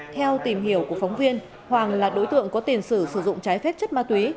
theo tìm hiểu của phóng viên hoàng là đối tượng có tiền sử sử dụng trái phép chất ma túy